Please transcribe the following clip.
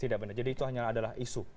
tidak benar jadi itu hanya adalah isu